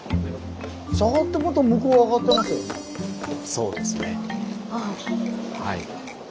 そうですねはい。